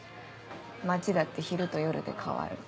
街だって昼と夜で変わる。